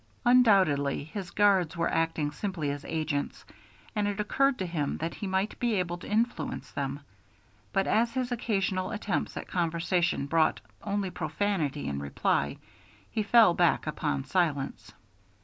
Undoubtedly his guards were acting simply as agents, and it occurred to him that he might be able to influence them; but as his occasional attempts at conversation brought only profanity in reply, he fell back upon silence.